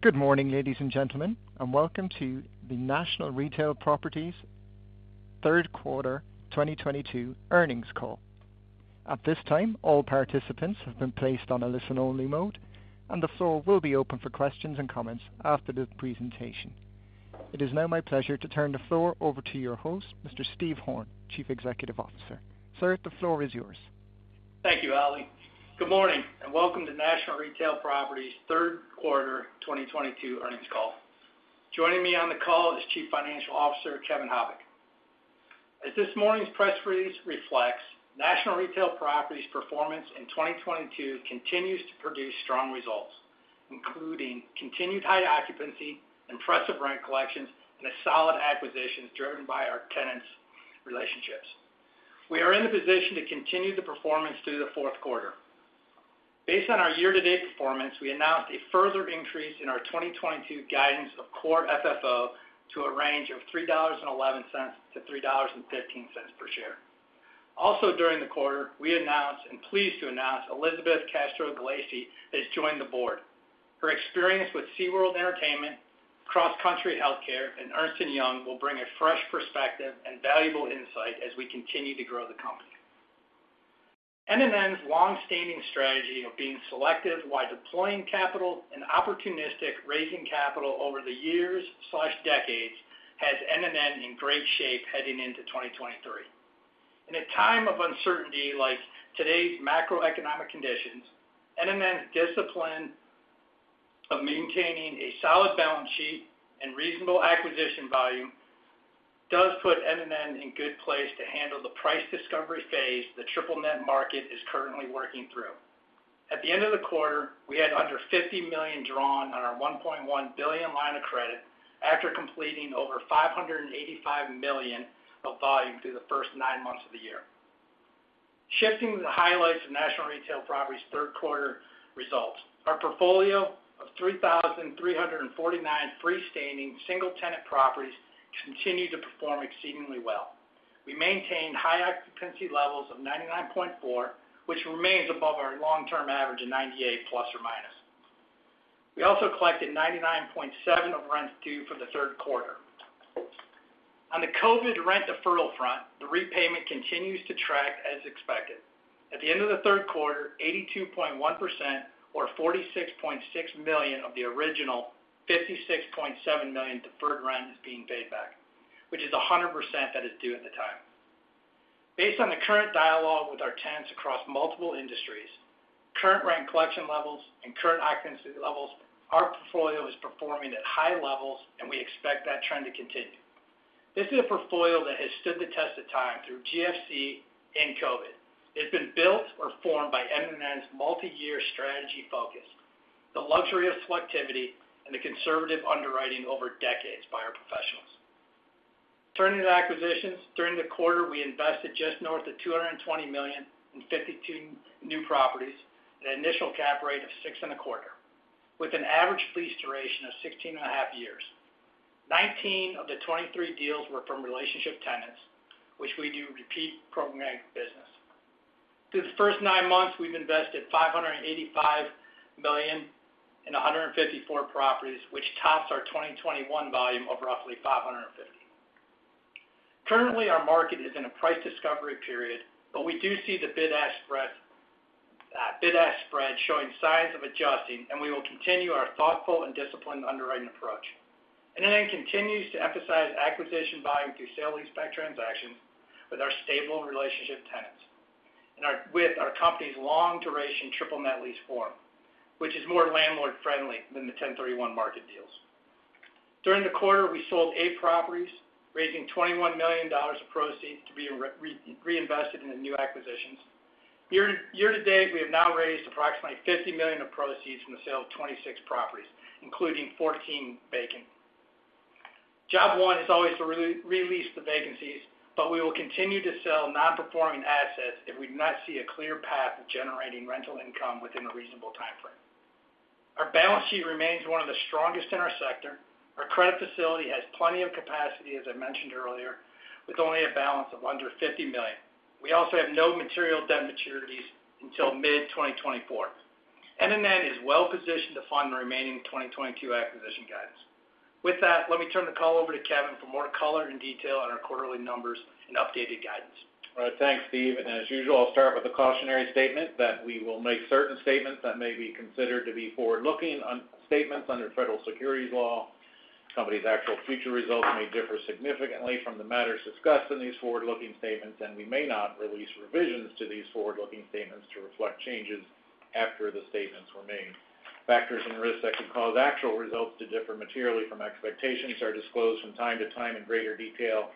Good morning, ladies and gentlemen, and welcome to the National Retail Properties Third Quarter 2022 Earnings Call. At this time, all participants have been placed on a listen-only mode, and the floor will be open for questions and comments after the presentation. It is now my pleasure to turn the floor over to your host, Mr. Steve Horn, Chief Executive Officer. Sir, the floor is yours. Thank you, Ali. Good morning, and welcome to National Retail Properties Third Quarter 2022 Earnings Call. Joining me on the call is Chief Financial Officer, Kevin Habicht. As this morning's press release reflects, National Retail Properties performance in 2022 continues to produce strong results, including continued high occupancy and trusted rent collections and a solid acquisitions driven by our tenants' relationships. We are in the position to continue the performance through the fourth quarter. Based on our year-to-date performance, we announced a further increase in our 2022 guidance of Core FFO to a range of $3.11-$3.15 per share. Also during the quarter, we announced and pleased to announce Elizabeth Castro Gulacsy has joined the board. Her experience with SeaWorld Entertainment, Cross Country Healthcare, and Ernst & Young will bring a fresh perspective and valuable insight as we continue to grow the company. NNN's long-standing strategy of being selective while deploying capital and opportunistic raising capital over the years/decades has NNN in great shape heading into 2023. In a time of uncertainty like today's macroeconomic conditions, NNN's discipline of maintaining a solid balance sheet and reasonable acquisition volume does put NNN in good place to handle the price discovery phase the triple-net market is currently working through. At the end of the quarter, we had under $50 million drawn on our $1.1 billion line of credit after completing over $585 million of volume through the first nine months of the year. Shifting to the highlights of National Retail Properties third quarter results. Our portfolio of 3,349 free-standing single-tenant properties continued to perform exceedingly well. We maintained high occupancy levels of 99.4%, which remains above our long-term average of ±98%. We also collected 99.7% of rent due for the third quarter. On the COVID rent deferral front, the repayment continues to track as expected. At the end of the third quarter, 82.1% or $46.6 million of the original $56.7 million deferred rent is being paid back, which is 100% that is due at the time. Based on the current dialogue with our tenants across multiple industries, current rent collection levels and current occupancy levels, our portfolio is performing at high levels, and we expect that trend to continue. This is a portfolio that has stood the test of time through GFC and COVID. It's been built or formed by NNN's multi-year strategy focus, the luxury of selectivity, and the conservative underwriting over decades by our professionals. Turning to acquisitions. During the quarter, we invested just north of $220 million in 52 new properties at an initial cap rate of 6.25%, with an average lease duration of 16.5 years. 19 of the 23 deals were from relationship tenants, which we do repeat programmatic business. Through the first 9 months, we've invested $585 million in 154 properties, which tops our 2021 volume of roughly $550 million. Currently, our market is in a price discovery period, but we do see the bid-ask spread showing signs of adjusting, and we will continue our thoughtful and disciplined underwriting approach. NNN continues to emphasize acquisition volume through sale-leaseback transactions with our stable relationship tenants and with our company's long duration triple net lease form, which is more landlord-friendly than the 1031 market deals. During the quarter, we sold 8 properties, raising $21 million of proceeds to be reinvested in the new acquisitions. Year to date, we have now raised approximately $50 million of proceeds from the sale of 26 properties, including 14 vacant. Job one is always to re-lease the vacancies, but we will continue to sell non-performing assets if we do not see a clear path to generating rental income within a reasonable timeframe. Our balance sheet remains one of the strongest in our sector. Our credit facility has plenty of capacity, as I mentioned earlier, with only a balance of under $50 million. We also have no material debt maturities until mid-2024. NNN is well positioned to fund the remaining 2022 acquisition guidance. With that, let me turn the call over to Kevin for more color and detail on our quarterly numbers and updated guidance. All right. Thanks, Steve. As usual, I'll start with a cautionary statement that we will make certain statements that may be considered to be forward-looking statements under federal securities law. The company's actual future results may differ significantly from the matters discussed in these forward-looking statements, and we may not release revisions to these forward-looking statements to reflect changes after the statements were made. Factors and risks that could cause actual results to differ materially from expectations are disclosed from time to time in greater detail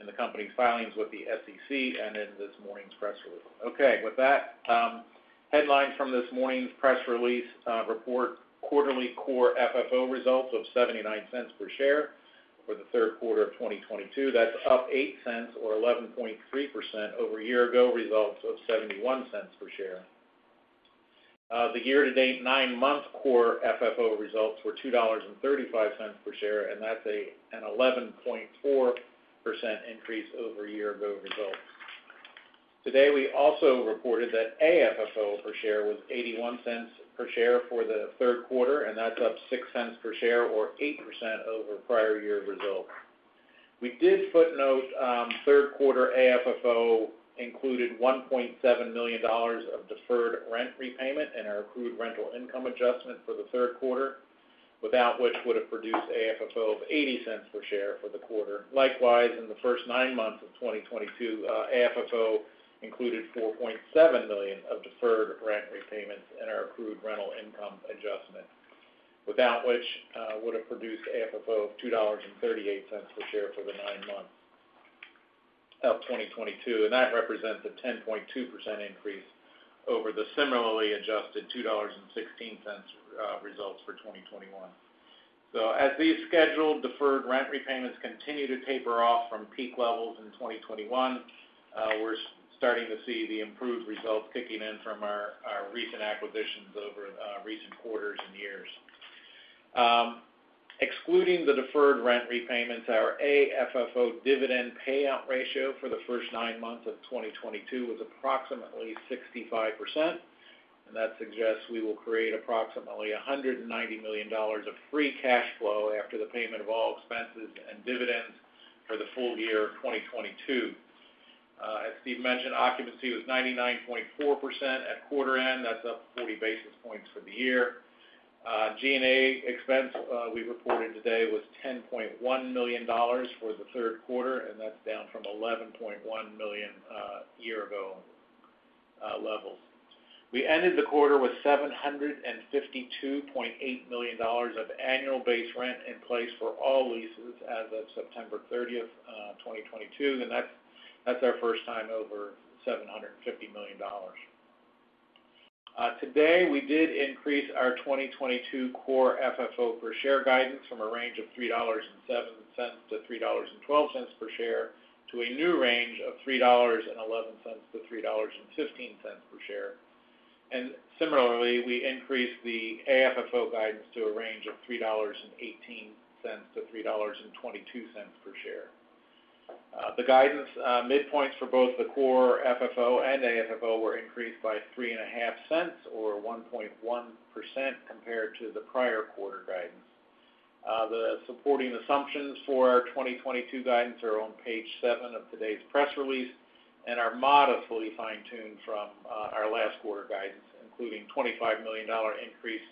in the company's filings with the SEC and in this morning's press release. Okay. With that, headlines from this morning's press release report quarterly Core FFO results of $0.79 per share for the third quarter of 2022. That's up $0.08 or 11.3% over a year ago, results of $0.71 per share. The year-to-date nine-month Core FFO results were $2.35 per share, and that's an 11.4% increase over year-ago results. Today, we also reported that AFFO per share was $0.81 per share for the third quarter, and that's up $0.06 per share or 8% over prior year results. We did footnote third quarter AFFO included $1.7 million of deferred rent repayment and our accrued rental income adjustment for the third quarter. Without which would have produced AFFO of $0.80 per share for the quarter. Likewise, in the first nine months of 2022, AFFO included $4.7 million of deferred rent repayments in our accrued rental income adjustment, without which would have produced AFFO of $2.38 per share for the nine months of 2022. That represents a 10.2% increase over the similarly adjusted $2.16 results for 2021. As these scheduled deferred rent repayments continue to taper off from peak levels in 2021, we're starting to see the improved results kicking in from our recent acquisitions over recent quarters and years. Excluding the deferred rent repayments, our AFFO dividend payout ratio for the first nine months of 2022 was approximately 65%, and that suggests we will create approximately $190 million of free cash flow after the payment of all expenses and dividends for the full year of 2022. As Steve mentioned, occupancy was 99.4% at quarter end. That's up 40 basis points for the year. G&A expense we reported today was $10.1 million for the third quarter, and that's down from $11.1 million year-ago levels. We ended the quarter with $752.8 million of annual base rent in place for all leases as of September 30, 2022, and that's our first time over $750 million. Today, we did increase our 2022 Core FFO per share guidance from a range of $3.07-$3.12 per share to a new range of $3.11-$3.15 per share. Similarly, we increased the AFFO guidance to a range of $3.18-$3.22 per share. The guidance midpoints for both the Core FFO and AFFO were increased by $0.035 or 1.1% compared to the prior quarter guidance. The supporting assumptions for our 2022 guidance are on page seven of today's press release and are modestly fine-tuned from our last quarter guidance, including $25 million increase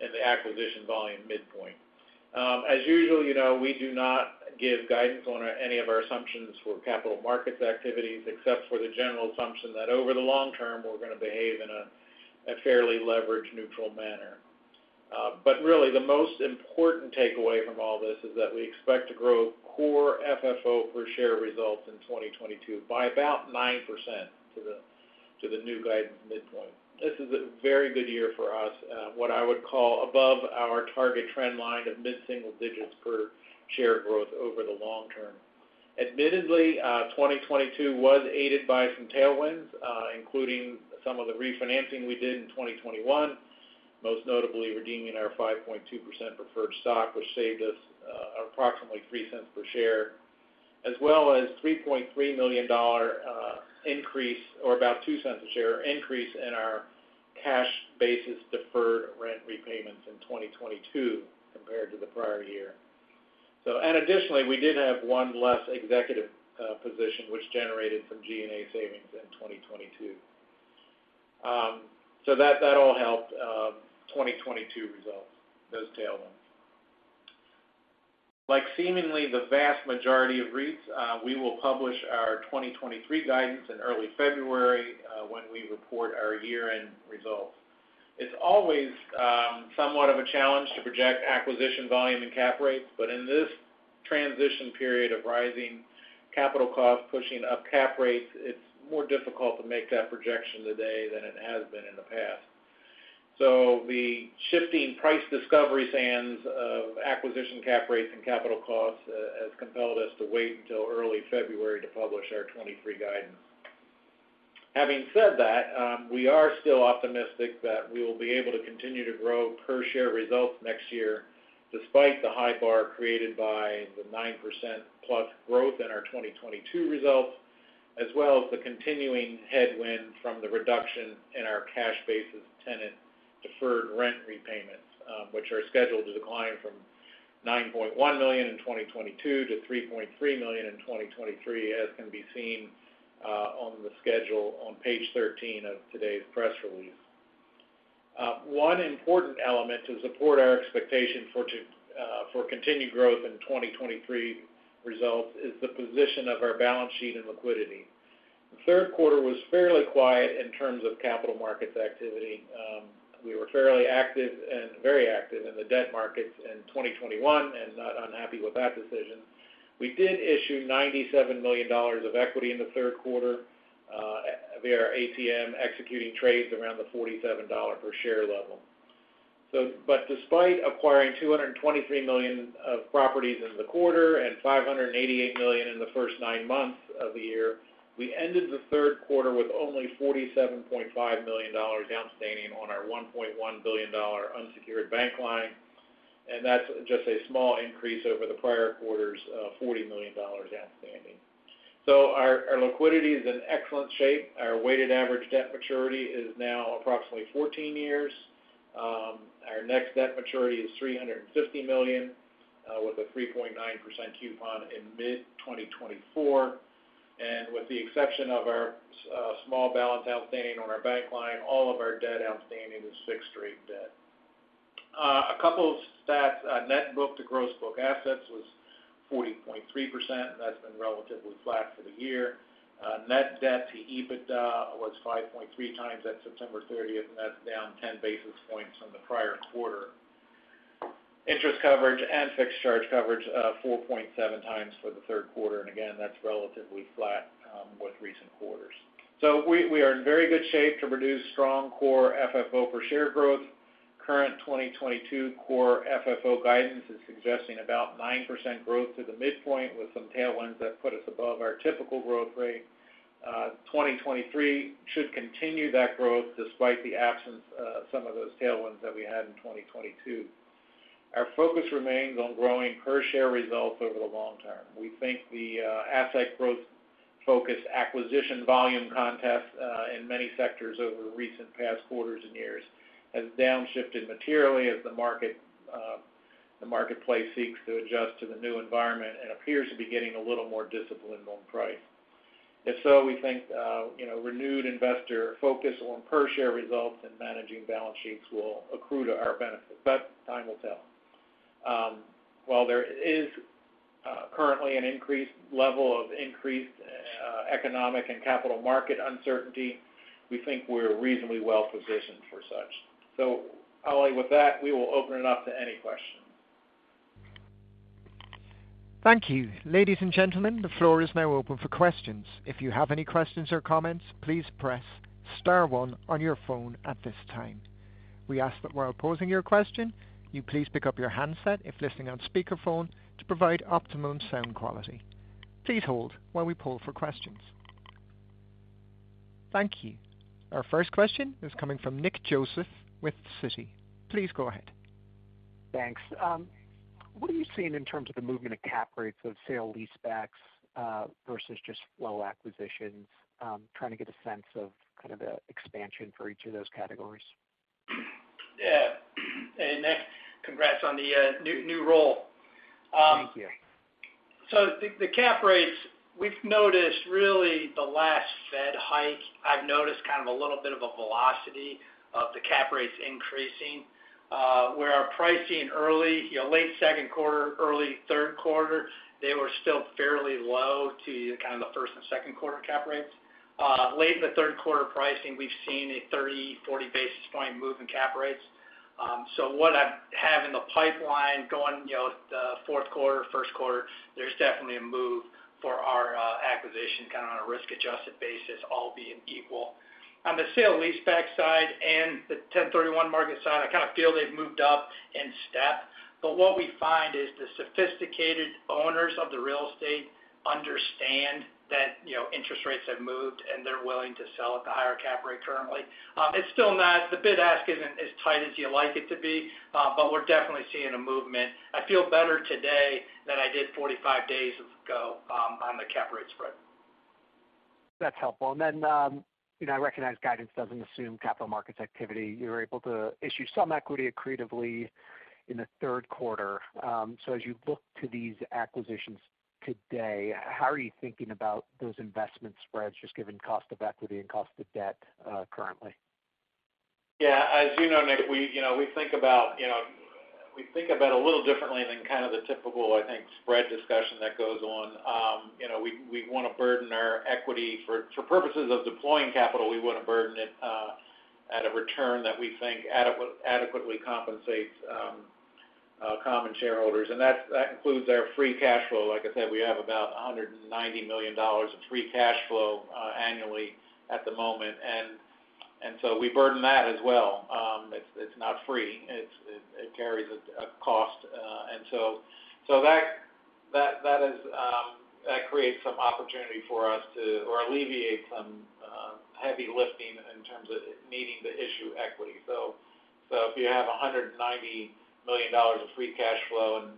in the acquisition volume midpoint. As usual, you know, we do not give guidance on any of our assumptions for capital markets activities, except for the general assumption that over the long term, we're gonna behave in a fairly leverage-neutral manner. Really, the most important takeaway from all this is that we expect to grow Core FFO per share results in 2022 by about 9% to the new guidance midpoint. This is a very good year for us. What I would call above our target trend line of mid-single digits per share growth over the long term. Admittedly, 2022 was aided by some tailwinds, including some of the refinancing we did in 2021. Most notably, redeeming our 5.2% preferred stock, which saved us approximately $0.03 per share. As well as $3.3 million increase or about $0.02 a share increase in our cash basis deferred rent repayments in 2022 compared to the prior year. And additionally, we did have one less executive position, which generated some G&A savings in 2022. That all helped 2022 results, those tailwinds. Like seemingly the vast majority of REITs, we will publish our 2023 guidance in early February, when we report our year-end results. It's always somewhat of a challenge to project acquisition volume and cap rates, but in this transition period of rising capital costs pushing up cap rates, it's more difficult to make that projection today than it has been in the past. The shifting price discovery sands of acquisition cap rates and capital costs has compelled us to wait until early February to publish our 2023 guidance. Having said that, we are still optimistic that we will be able to continue to grow per share results next year, despite the high bar created by the 9%+ growth in our 2022 results, as well as the continuing headwind from the reduction in our cash basis tenant deferred rent repayments, which are scheduled to decline from $9.1 million in 2022 to $3.3 million in 2023, as can be seen on the schedule on page 13 of today's press release. One important element to support our expectation for continued growth in 2023 results is the position of our balance sheet and liquidity. The third quarter was fairly quiet in terms of capital markets activity. We were fairly active and very active in the debt markets in 2021 and not unhappy with that decision. We did issue $97 million of equity in the third quarter via our ATM, executing trades around the $47 per share level. Despite acquiring $223 million of properties in the quarter and $588 million in the first nine months of the year, we ended the third quarter with only $47.5 million outstanding on our $1.1 billion unsecured bank line. That's just a small increase over the prior quarter's $40 million outstanding. Our liquidity is in excellent shape. Our weighted average debt maturity is now approximately 14 years. Our next debt maturity is $350 million with a 3.9% coupon in mid-2024. With the exception of our small balance outstanding on our bank line, all of our debt outstanding is fixed-rate debt. A couple stats. Net book to gross book assets was 40.3%. That's been relatively flat for the year. Net debt to EBITDA was 5.3x at September thirtieth, and that's down 10 basis points from the prior quarter. Interest coverage and fixed charge coverage, 4.7x for the third quarter, and again, that's relatively flat with recent quarters. We are in very good shape to produce strong Core FFO per share growth. Current 2022 Core FFO guidance is suggesting about 9% growth to the midpoint, with some tailwinds that put us above our typical growth rate. 2023 should continue that growth despite the absence of some of those tailwinds that we had in 2022. Our focus remains on growing per share results over the long term. We think the asset growth focus acquisition volume context in many sectors over recent past quarters and years has downshifted materially as the market, the marketplace seeks to adjust to the new environment and appears to be getting a little more disciplined on price. If so, we think you know, renewed investor focus on per share results and managing balance sheets will accrue to our benefit, but time will tell. While there is currently an increased level of economic and capital market uncertainty, we think we're reasonably well-positioned for such. Ali, with that, we will open it up to any questions. Thank you. Ladies and gentlemen, the floor is now open for questions. If you have any questions or comments, please press star one on your phone at this time. We ask that while posing your question, you please pick up your handset if listening on speakerphone to provide optimum sound quality. Please hold while we poll for questions. Thank you. Our first question is coming from Nick Joseph with Citi. Please go ahead. Thanks. What are you seeing in terms of the movement of cap rates of sale-leasebacks versus just flow acquisitions? Trying to get a sense of kind of the expansion for each of those categories. Yeah. Nick, congrats on the new role. Thank you. The cap rates, we've noticed really the last Fed hike. I've noticed kind of a little bit of a velocity of the cap rates increasing. Where our pricing early, you know, late second quarter, early third quarter, they were still fairly low to kind of the first and second quarter cap rates. Late in the third quarter pricing, we've seen a 30-40 basis point move in cap rates. What I have in the pipeline going, you know, the fourth quarter, first quarter, there's definitely a move for our acquisition kind of on a risk-adjusted basis, all being equal. On the sale-leaseback side and the 1031 market side, I kind of feel they've moved up in step, but what we find is the sophisticated owners of the real estate understand that, you know, interest rates have moved, and they're willing to sell at the higher cap rate currently. The bid-ask isn't as tight as you like it to be, but we're definitely seeing a movement. I feel better today than I did 45 days ago, on the cap rate spread. That's helpful. You know, I recognize guidance doesn't assume capital markets activity. You were able to issue some equity accretively in the third quarter. As you look to these acquisitions today, how are you thinking about those investment spreads, just given cost of equity and cost of debt, currently? Yeah. As you know, Nick, you know, we think about it a little differently than kind of the typical, I think, spread discussion that goes on. You know, we wanna burden our equity. For purposes of deploying capital, we wanna burden it at a return that we think adequately compensates common shareholders, and that includes our free cash flow. Like I said, we have about $190 million of free cash flow annually at the moment. So we burden that as well. It's not free. It carries a cost. And so that creates some opportunity for us to alleviate some heavy lifting in terms of needing to issue equity. If you have $190 million of free cash flow and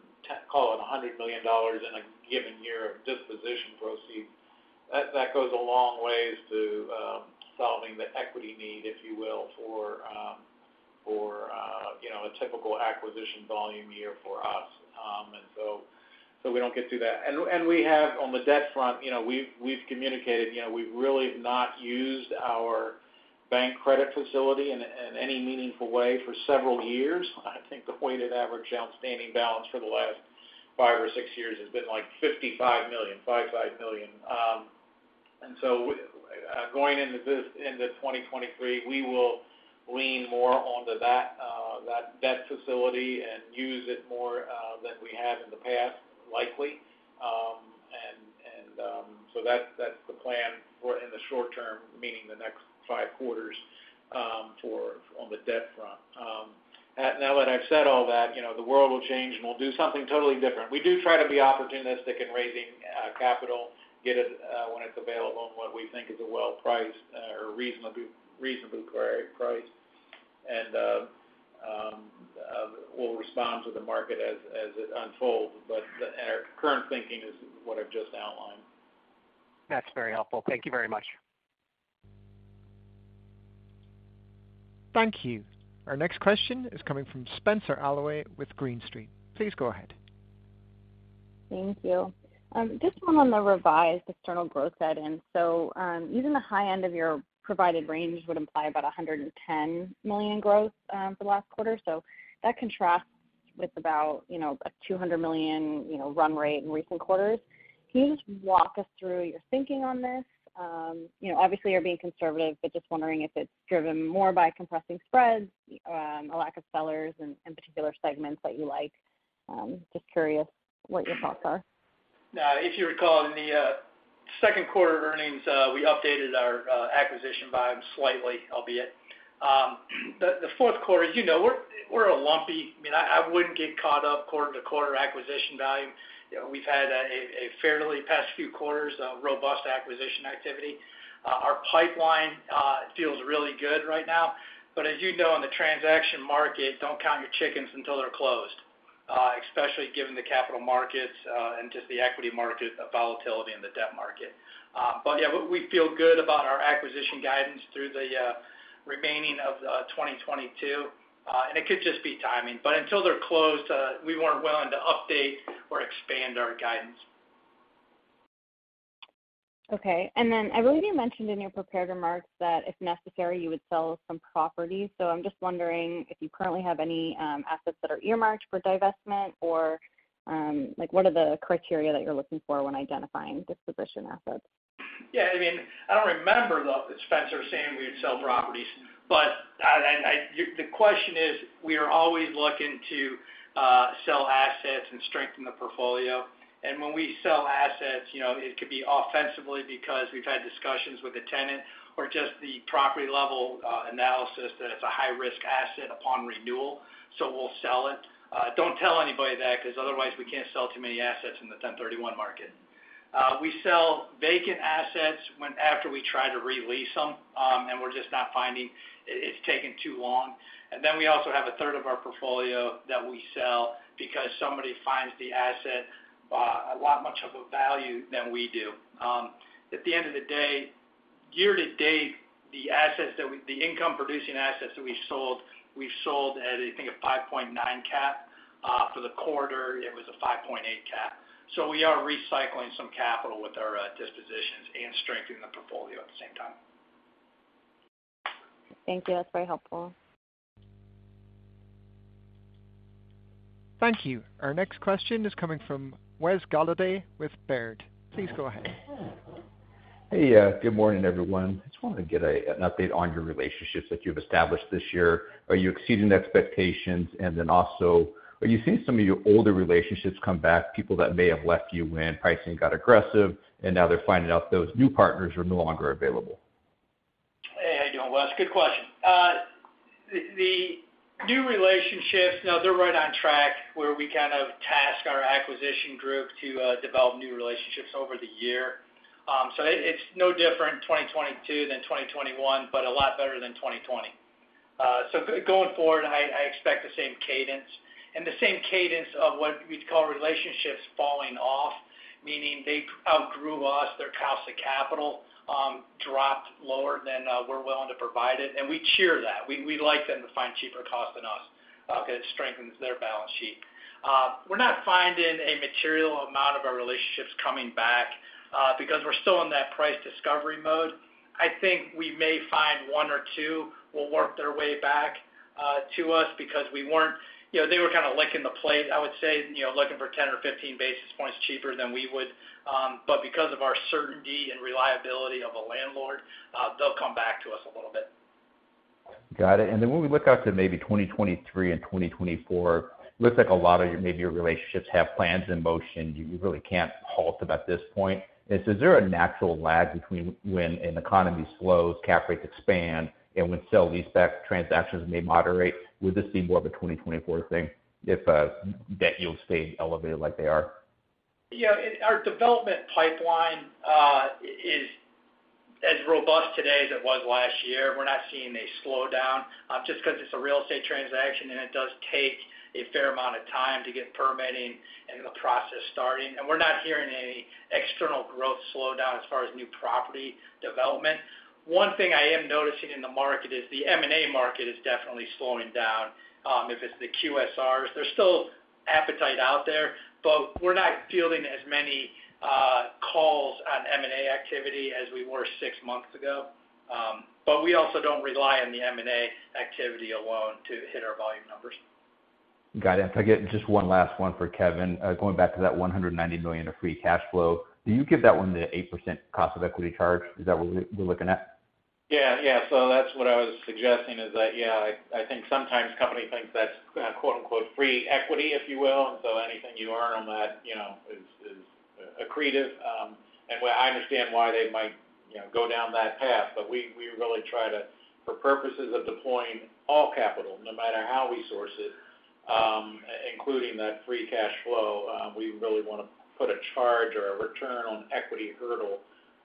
call it $100 million in a given year of disposition proceeds, that goes a long way to solving the equity need, if you will, for you know, a typical acquisition volume year for us. We don't get through that. We have on the debt front, you know, we've communicated. You know, we've really not used our bank credit facility in any meaningful way for several years. I think the weighted average outstanding balance for the last five or six years has been like $55 million. Going into 2023, we will lean more onto that debt facility and use it more than we have in the past, likely. That's the plan for the short term, meaning the next five quarters, for the debt front. Now that I've said all that, you know, the world will change, and we'll do something totally different. We do try to be opportunistic in raising capital, get it when it's available and what we think is a well-priced or reasonably priced. We'll respond to the market as it unfolds. Our current thinking is what I've just outlined. That's very helpful. Thank you very much. Thank you. Our next question is coming from Spenser Allaway with Green Street. Please go ahead. Thank you. Just one on the revised external growth add in. Even the high end of your provided range would imply about $110 million growth for the last quarter. That contrasts with about, you know, a $200 million, you know, run rate in recent quarters. Can you just walk us through your thinking on this? You know, obviously, you're being conservative, but just wondering if it's driven more by compressing spreads, a lack of sellers in particular segments that you like. Just curious what your thoughts are. Now, if you recall in the second quarter earnings, we updated our acquisition volume slightly. The fourth quarter, you know, we're a lumpy. I mean, I wouldn't get caught up quarter-to-quarter acquisition volume. You know, we've had a fairly past few quarters of robust acquisition activity. Our pipeline feels really good right now, but as you know, in the transaction market, don't count your chickens until they're closed, especially given the capital markets and just the volatility in the equity and debt markets. Yeah, we feel good about our acquisition guidance through the remainder of 2022. It could just be timing. Until they're closed, we weren't willing to update or expand our guidance. Okay. I believe you mentioned in your prepared remarks that if necessary you would sell some properties. I'm just wondering if you currently have any assets that are earmarked for divestment or, like what are the criteria that you're looking for when identifying disposition assets? Yeah. I mean, I don't remember though, Spenser saying we would sell properties, but the question is, we are always looking to sell assets and strengthen the portfolio. When we sell assets, you know, it could be offensively because we've had discussions with a tenant or just the property level analysis that it's a high-risk asset upon renewal, so we'll sell it. Don't tell anybody that because otherwise we can't sell too many assets in the 1031 market. We sell vacant assets when, after we try to re-lease them, and we're just not finding it. It's taking too long. Then we also have a third of our portfolio that we sell because somebody finds the asset a lot more value than we do. At the end of the day, year-to-date, the income producing assets that we sold, we've sold at I think a 5.9 cap. For the quarter it was a 5.8 cap. We are recycling some capital with our dispositions and strengthening the portfolio at the same time. Thank you. That's very helpful. Thank you. Our next question is coming from Wesley Golladay with Baird. Please go ahead. Hey, good morning, everyone. I just wanted to get an update on your relationships that you've established this year. Are you exceeding expectations? Also, are you seeing some of your older relationships come back, people that may have left you when pricing got aggressive and now they're finding out those new partners are no longer available? Hey. How you doing, Wes? Good question. The new relationships, no, they're right on track where we kind of task our acquisition group to develop new relationships over the year. It's no different in 2022 than 2021, but a lot better than 2020. Going forward, I expect the same cadence of what we'd call relationships falling off, meaning they outgrew us. Their cost of capital dropped lower than we're willing to provide it, and we cheer that. We like them to find cheaper costs than us because it strengthens their balance sheet. We're not finding a material amount of our relationships coming back because we're still in that price discovery mode. I think we may find one or two will work their way back to us because we weren't. You know, they were kind of licking the plate, I would say, you know, looking for 10 or 15 basis points cheaper than we would. Because of our certainty and reliability of a landlord, they'll come back to us a little bit. Got it. When we look out to maybe 2023 and 2024, looks like a lot of your, maybe your relationships have plans in motion. You really can't halt them at this point. Is there a natural lag between when an economy slows, cap rates expand, and when sale-leaseback transactions may moderate? Would this be more of a 2024 thing if debt yields stay elevated like they are? Yeah. Our development pipeline is as robust today as it was last year. We're not seeing a slowdown just because it's a real estate transaction, and it does take a fair amount of time to get permitting and the process starting. We're not hearing any external growth slowdown as far as new property development. One thing I am noticing in the market is the M&A market is definitely slowing down. If it's the QSRs, there's still appetite out there, but we're not fielding as many calls on M&A activity as we were six months ago. We also don't rely on the M&A activity alone to hit our volume numbers. Got it. If I get just one last one for Kevin, going back to that $190 million of free cash flow. Do you give that one the 8% cost of equity charge? Is that what we're looking at? Yeah. That's what I was suggesting is that, yeah, I think sometimes companies think that's "free equity," if you will, and so anything you earn on that, you know, is accretive. I understand why they might, you know, go down that path. We really try to, for purposes of deploying all capital, no matter how we source it, including that free cash flow, we really wanna put a charge or a return on equity hurdle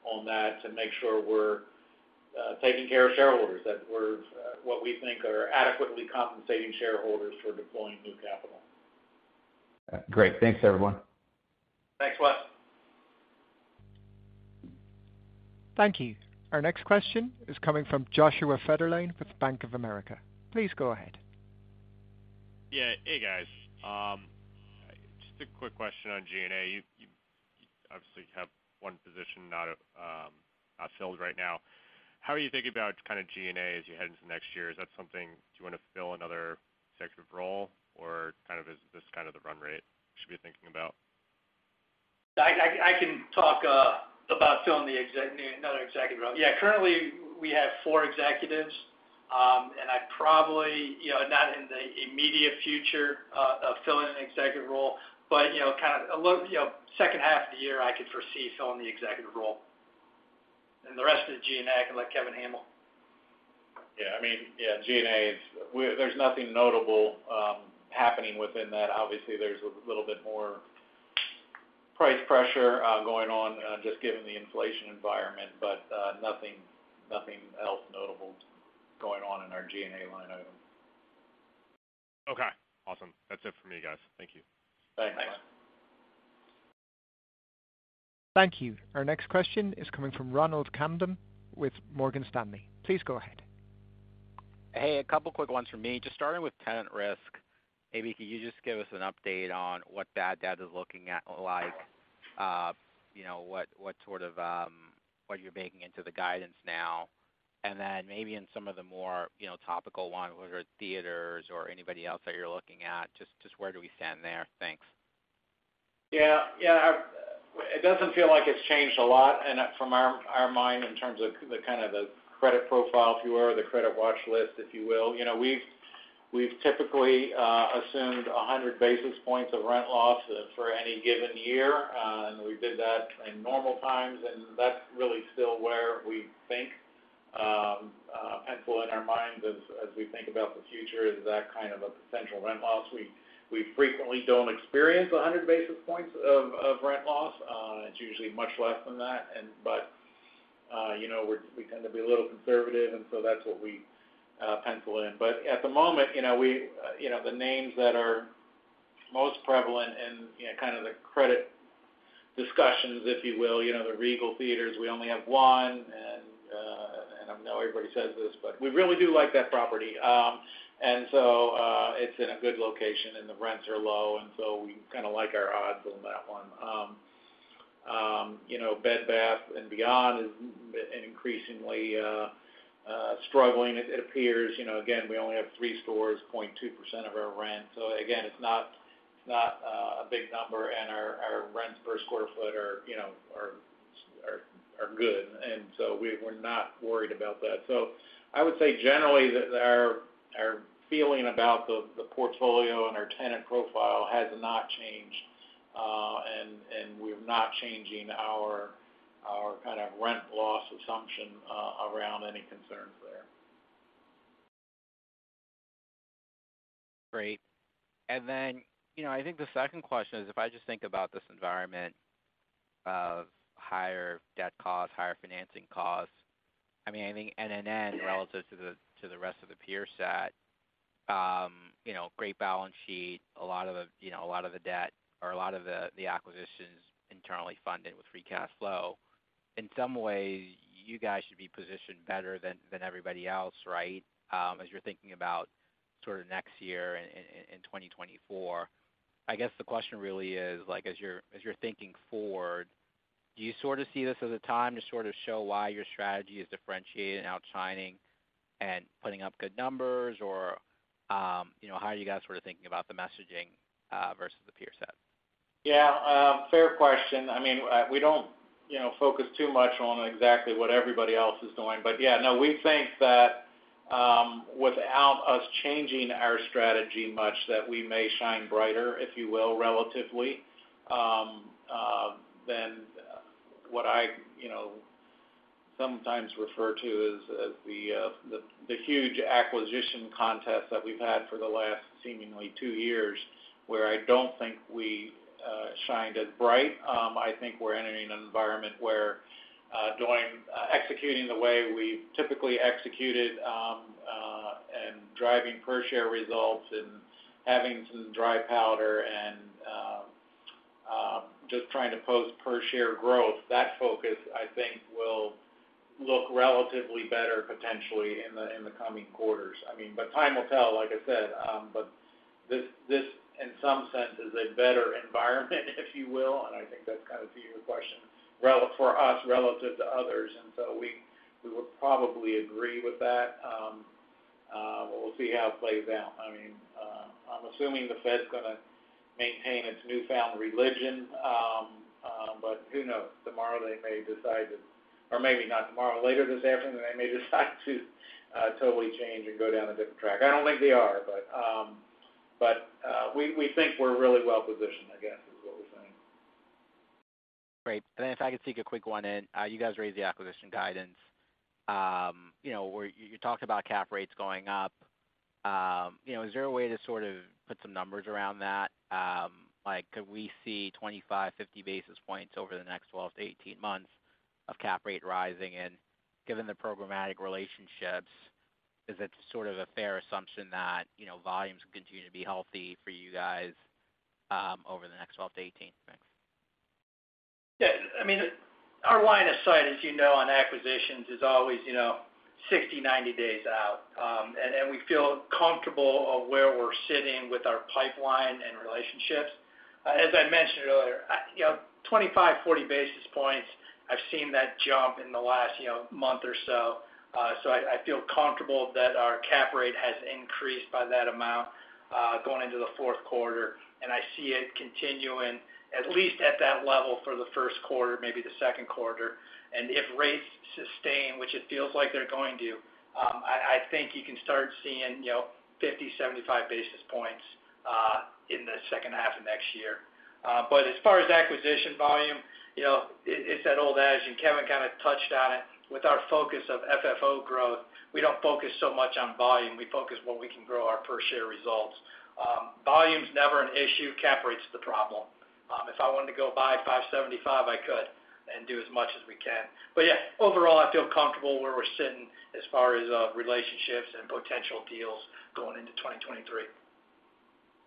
on that to make sure we're taking care of shareholders that we're what we think are adequately compensating shareholders for deploying new capital. Great. Thanks everyone. Thanks, Wes. Thank you. Our next question is coming from Joshua Dennerlein with Bank of America. Please go ahead. Yeah. Hey, guys. Just a quick question on G&A. You obviously have one position not filled right now. How are you thinking about kind of G&A as you head into next year? Is that something? Do you wanna fill another executive role or kind of is this kind of the run rate we should be thinking about? I can talk about filling another executive role. Yeah. Currently, we have four executives, and I probably, you know, not in the immediate future, of filling an executive role, but you know, kind of a low, you know, second half of the year I could foresee filling the executive role. The rest of the G&A, I can let Kevin handle. Yeah. I mean, yeah, G&A is there's nothing notable happening within that. Obviously, there's a little bit more price pressure going on, just given the inflation environment, but nothing else notable going on in our G&A line item. Okay. Awesome. That's it for me, guys. Thank you. Thanks. Thanks. Thank you. Our next question is coming from Ronald Kamdem with Morgan Stanley. Please go ahead. Hey, a couple quick ones from me. Just starting with tenant risk, maybe can you just give us an update on what that data is looking at like, you know, what sort of what you're baking into the guidance now? Maybe in some of the more, you know, topical one, whether theaters or anybody else that you're looking at, just where do we stand there? Thanks. Yeah. Yeah. It doesn't feel like it's changed a lot and from our mind in terms of the kind of the credit profile, if you will, or the credit watch list, if you will. You know, we've typically assumed 100 basis points of rent loss for any given year, and we did that in normal times, and that's really still where we think pencil in our minds as we think about the future is that kind of a potential rent loss. We frequently don't experience 100 basis points of rent loss. It's usually much less than that. You know, we tend to be a little conservative, and so that's what we pencil in. At the moment, you know, we, you know, the names that are most prevalent in, you know, kind of the credit discussions, if you will. You know, the Regal Cinemas, we only have one, and I know everybody says this, but we really do like that property. It's in a good location, and the rents are low, and we kinda like our odds on that one. You know, Bed Bath & Beyond is increasingly struggling. It appears, you know, again, we only have three stores, 0.2% of our rent. So again, it's not a big number, and our rents per square foot are, you know, good. We're not worried about that. I would say generally that our feeling about the portfolio and our tenant profile has not changed, and we're not changing our kind of rent loss assumption around any concerns there. Great. Then, you know, I think the second question is, if I just think about this environment of higher debt costs, higher financing costs, I mean, I think NNN relative to the rest of the peer set, you know, great balance sheet, a lot of the, you know, a lot of the debt or a lot of the acquisitions internally funded with free cash flow. In some ways, you guys should be positioned better than everybody else, right? As you're thinking about sort of next year in 2024. I guess the question really is, like, as you're thinking forward, do you sort of see this as a time to sort of show why your strategy is differentiated and outshining and putting up good numbers? Or, how are you guys sort of thinking about the messaging, versus the peer set? Yeah, fair question. I mean, we don't, you know, focus too much on exactly what everybody else is doing. But yeah, no, we think that, without us changing our strategy much, that we may shine brighter, if you will, relatively, than what I, you know, sometimes refer to as the huge acquisition contest that we've had for the last seemingly two years, where I don't think we shined as bright. I think we're entering an environment where executing the way we've typically executed and driving per share results and having some dry powder and just trying to post per share growth, that focus, I think, will look relatively better potentially in the coming quarters. I mean, but time will tell, like I said. This in some sense is a better environment if you will, and I think that's kind of relative to your question, for us relative to others. We would probably agree with that. We'll see how it plays out. I mean, I'm assuming the Fed's gonna maintain its newfound religion, but who knows? Tomorrow they may decide to, or maybe not tomorrow, later this afternoon, they may decide to totally change and go down a different track. I don't think they are, but we think we're really well positioned, I guess, is what we're saying. Great. If I could sneak a quick one in. You guys raised the acquisition guidance. You know, where you talked about cap rates going up. You know, is there a way to sort of put some numbers around that? Like could we see 25 basis points, 50 basis points over the next 12-18 months of cap rate rising? Given the programmatic relationships, is it sort of a fair assumption that, you know, volumes will continue to be healthy for you guys, over the next 12-18 months? Yeah. I mean, our line of sight, as you know, on acquisitions is always, you know, 60 days, 90 days out. We feel comfortable with where we're sitting with our pipeline and relationships. As I mentioned earlier, you know, 25-40 basis points, I've seen that jump in the last, you know, month or so. I feel comfortable that our cap rate has increased by that amount, going into the fourth quarter, and I see it continuing at least at that level for the first quarter, maybe the second quarter. If rates sustain, which it feels like they're going to, I think you can start seeing, you know, 50-75 basis points, in the second half of next year. As far as acquisition volume, you know, it's that old adage, and Kevin kind of touched on it, with our focus of FFO growth, we don't focus so much on volume. We focus where we can grow our per share results. Volume's never an issue. Cap rate's the problem. If I wanted to go buy 5.75 cap, I could and do as much as we can. Yeah, overall, I feel comfortable where we're sitting as far as relationships and potential deals going into 2023.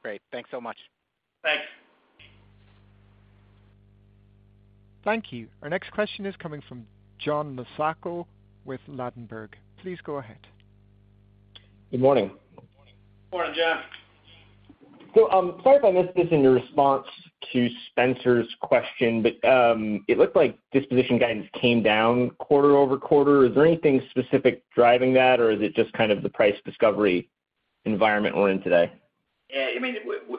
Great. Thanks so much. Thanks. Thank you. Our next question is coming from John Massocca with Ladenburg Thalmann. Please go ahead. Good morning. Morning, John. Sorry if I missed this in your response to Spenser's question, but it looked like disposition guidance came down quarter-over-quarter. Is there anything specific driving that, or is it just kind of the price discovery environment we're in today? Yeah. I mean,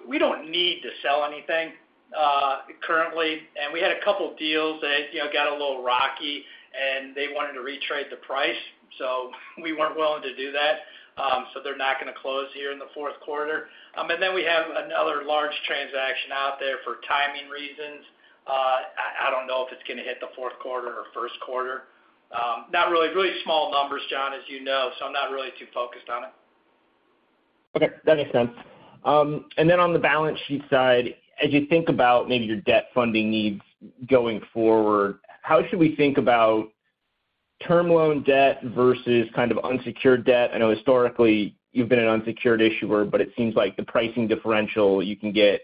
we don't need to sell anything currently, and we had a couple deals that, you know, got a little rocky, and they wanted to retrade the price, so we weren't willing to do that. They're not gonna close here in the fourth quarter. We have another large transaction out there for timing reasons. I don't know if it's gonna hit the fourth quarter or first quarter. Not really. Really small numbers, John, as you know, so I'm not really too focused on it. Okay, that makes sense. And then on the balance sheet side, as you think about maybe your debt funding needs going forward, how should we think about term loan debt versus kind of unsecured debt? I know historically you've been an unsecured issuer, but it seems like the pricing differential you can get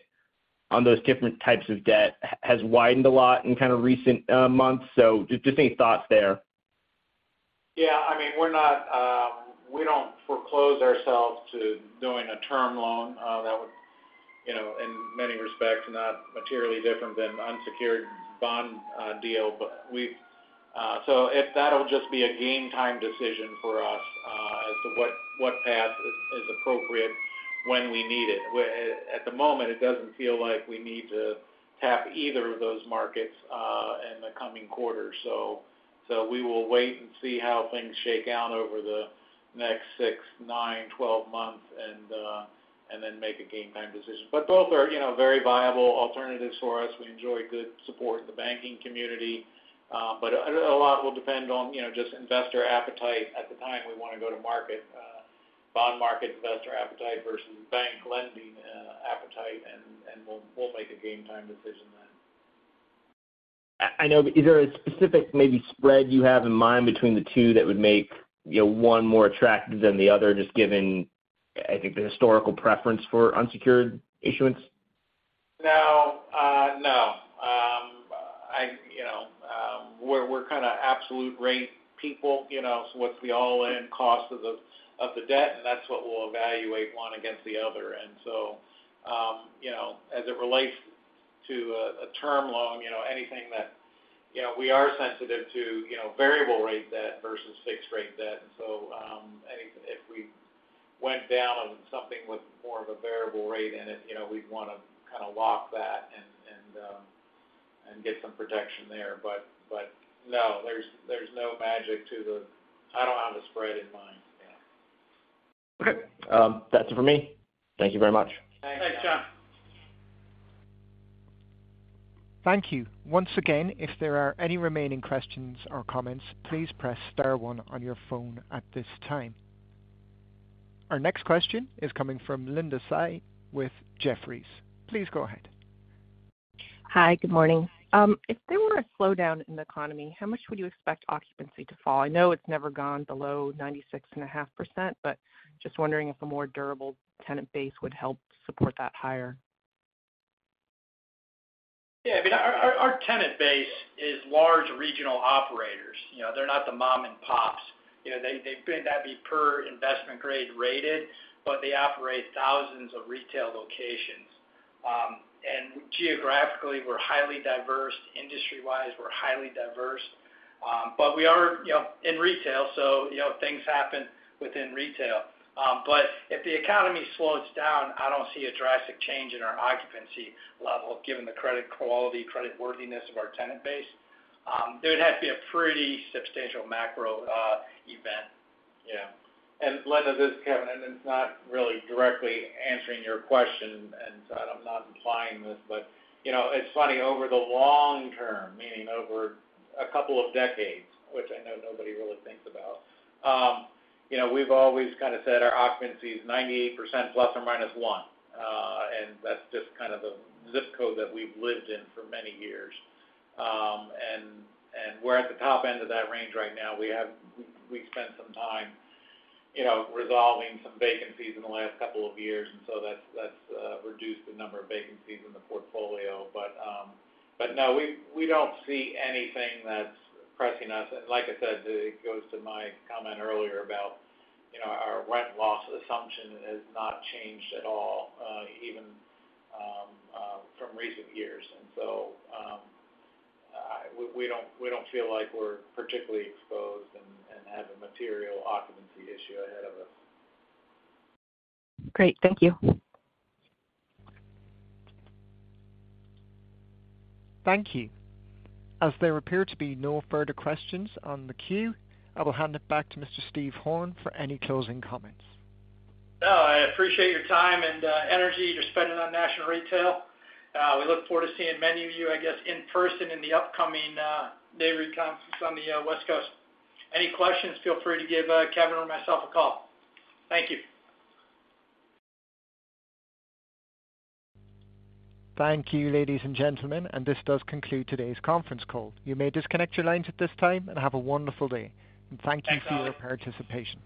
on those different types of debt has widened a lot in kind of recent months. Just any thoughts there. Yeah. I mean, we don't foreclose ourselves to doing a term loan that would, you know, in many respects, not materially different than unsecured bond deal. If that'll just be a game time decision for us as to what path is appropriate when we need it. At the moment, it doesn't feel like we need to tap either of those markets in the coming quarter. We will wait and see how things shake out over the next 6 months, 9 months, 12 months, and then make a game time decision. Both are, you know, very viable alternatives for us. We enjoy good support in the banking community. A lot will depend on, you know, just investor appetite at the time we wanna go to market, bond market investor appetite versus bank lending appetite, and we'll make a game time decision then. I know. Is there a specific maybe spread you have in mind between the two that would make, you know, one more attractive than the other, just given, I think the historical preference for unsecured issuance? No. You know, we're kinda absolute rate people, you know, so what's the all-in cost of the debt, and that's what we'll evaluate one against the other. You know, as it relates to a term loan, you know, we are sensitive to variable rate debt versus fixed rate debt. If we went down on something with more of a variable rate in it, you know, we'd wanna kinda lock that and get some protection there. No, there's no magic to the. I don't have a spread in mind. Yeah. Okay. That's it for me. Thank you very much. Thanks, John. Thank you. Once again, if there are any remaining questions or comments, please press star one on your phone at this time. Our next question is coming from Linda Tsai with Jefferies. Please go ahead. Hi. Good morning. If there were a slowdown in the economy, how much would you expect occupancy to fall? I know it's never gone below 96.5%, but just wondering if a more durable tenant base would help support that higher. Yeah. I mean, our tenant base is large regional operators. You know, they're not the mom and pops. You know, they may not be investment grade rated, but they operate thousands of retail locations. And geographically, we're highly diverse. Industry-wise, we're highly diverse. But we are, you know, in retail, so, you know, things happen within retail. But if the economy slows down, I don't see a drastic change in our occupancy level given the credit quality, creditworthiness of our tenant base. There would have to be a pretty substantial macro event. Yeah. Linda, this is Kevin, and it's not really directly answering your question, so I'm not implying this, but you know, it's funny, over the long term, meaning over a couple of decades, which I know nobody really thinks about, you know, we've always kind of said our occupancy is 98% plus or minus one. That's just kind of the ZIP code that we've lived in for many years. We're at the top end of that range right now. We spent some time, you know, resolving some vacancies in the last couple of years, and so that's reduced the number of vacancies in the portfolio. No, we don't see anything that's pressing us. Like I said, it goes to my comment earlier about, you know, our rent loss assumption has not changed at all, even from recent years. We don't feel like we're particularly exposed and have a material occupancy issue ahead of us. Great. Thank you. Thank you. As there appear to be no further questions on the queue, I will hand it back to Mr. Steve Horn for any closing comments. No, I appreciate your time and energy you're spending on National Retail. We look forward to seeing many of you, I guess, in person in the upcoming conference on the West Coast. Any questions, feel free to give Kevin or myself a call. Thank you. Thank you, ladies and gentlemen, and this does conclude today's conference call. You may disconnect your lines at this time, and have a wonderful day. Thank you for your participation.